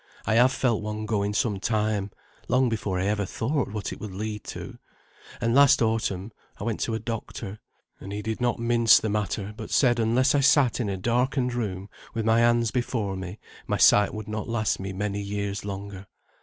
I have felt one going some time, long before I ever thought what it would lead to; and last autumn I went to a doctor; and he did not mince the matter, but said unless I sat in a darkened room, with my hands before me, my sight would not last me many years longer.